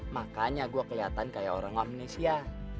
makanya gue kelihatan kayak orang amnesia